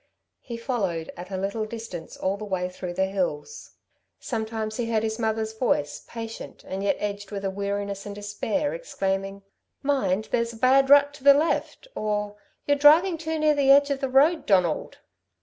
He followed at a little distance all the way through the hills. Sometimes he heard his mother's voice, patient and yet edged with a weariness and despair, exclaiming: "Mind there's a bad rut to the left!" or "You're driving too near the edge of the road, Donald!"